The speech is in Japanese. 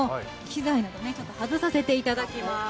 機材など外させていただきます。